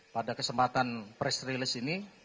pada kesempatan press release ini